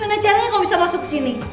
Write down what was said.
gimana caranya kamu bisa masuk sini